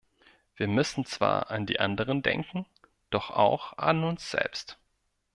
Wir müssen zwar an die anderen denken, doch auch an uns selbst.